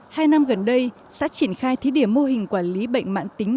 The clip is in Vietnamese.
hai năm gần đây xã triển khai thí điểm mô hình quản lý bệnh mạng tính